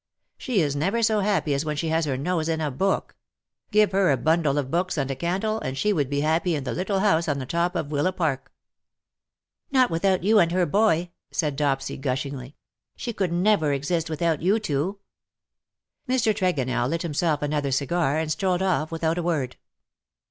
She is never so happy as when she has her nose in a book; give her a bundle of books and a candle and she would be happy in the little house on the top of Willapark/' '^Not without you and her boy/'' said Dopsy, gushingly. ^' She could never exist without you two.^^ Mr. Tregonell lit himself another cigar_, and strolled off without a word.